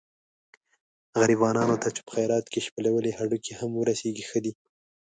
غریبانو ته چې په خیرات کې شپېلولي هډوکي هم ورسېږي ښه دي.